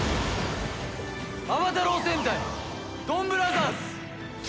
『暴太郎戦隊ドンブラザーズ』！